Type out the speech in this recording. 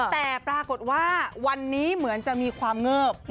แต่ปรากฏว่าวันนี้เหมือนจะมีความเงิบ